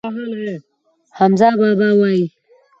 حمزه بابا وايي.